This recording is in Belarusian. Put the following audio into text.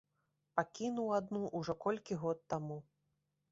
Пакінуў адну ўжо колькі год таму!